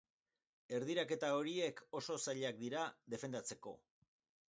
Erdiraketa horiek oso zailak dira defendatzeko.